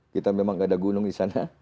kita memang tidak ada gunung disana